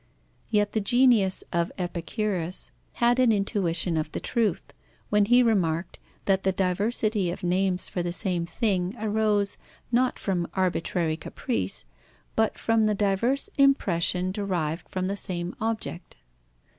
Yet the genius of Epicurus had an intuition of the truth, when he remarked that the diversity of names for the same things arose, not from arbitrary caprice, but from the diverse impression derived from the same object.